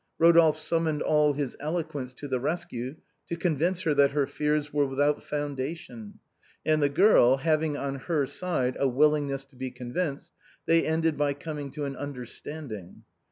Eodolphe summoned all his eloquence to the rescue to convince her that her fears were without foundation, and the girl, having on her side a willingness to be convinced, they ended by coming to an understanding.